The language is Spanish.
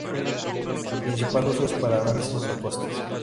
Su principal uso es para análisis de costes.